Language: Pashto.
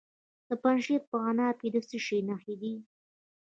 د پنجشیر په عنابه کې د څه شي نښې دي؟